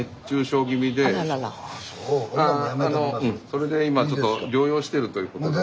それで今ちょっと療養してるということで。